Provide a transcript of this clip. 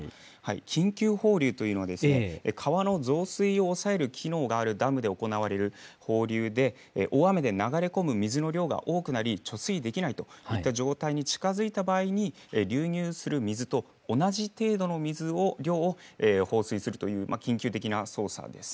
緊急放流というのは、川の増水を抑える機能があるダムで行われる放流で、大雨で流れ込む水の量が多くなり、貯水できないといった状態に近づいた場合に、流入する水と同じ程度の水の量を放水するという、緊急的な操作です。